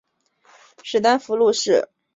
史丹福路是在新加坡的一条单行道。